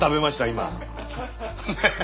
今。